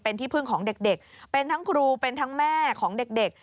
เป็นที่พึ่งของเด็กเป็นทั้งครูเป็นทั้งแม่ของเด็ก